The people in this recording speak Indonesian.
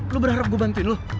lo berharap gue bantuin lo